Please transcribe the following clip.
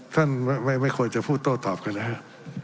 ท่านไม่ควรจะพูดโต้ตอบกันนะฮะ